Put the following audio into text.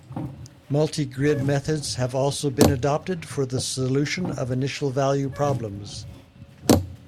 Multigrid methods have also been adopted for the solution of initial value problems.